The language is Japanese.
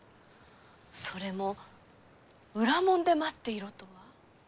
それも裏門で待っていろとは。